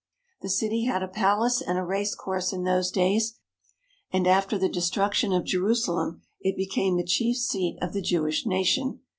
The city had a palace and a race course in those days, and after the destruction of Jerusalem it became the chief seat of the Jewish nation.